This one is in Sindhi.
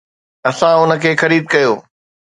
اسان ان کي خريد ڪيو